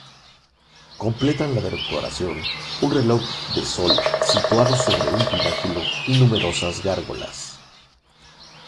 Completan la decoración un reloj de sol situado sobre un pináculo y numerosas gárgolas.